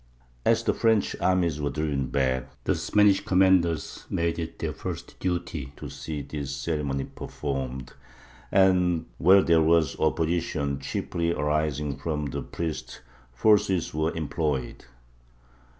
As the French armies were driven back, the Spanish commanders made it their first duty to see this ceremony performed, and where there was opposition, chiefly arising from the priests, force was employed.